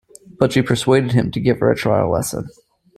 But she persuaded him to give her a trial lesson.